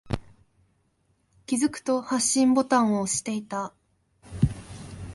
気づくと、発信ボタンを押していた。